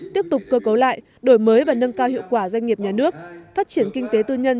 tiếp tục cơ cấu lại đổi mới và nâng cao hiệu quả doanh nghiệp nhà nước phát triển kinh tế tư nhân